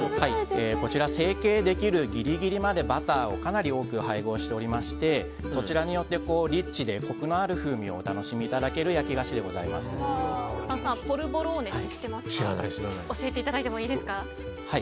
こちら成形できるギリギリまでバターをかなり多く配合しておりましてそちらによってリッチでコクのある風味をお楽しみいただけるポルボローネって知らないです。